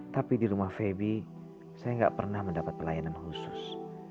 tapi di rumah feby saya nggak pernah mendapat pelayanan khusus